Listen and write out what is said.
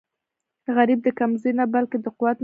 غریب د کمزورۍ نه، بلکې د قوت نښه ده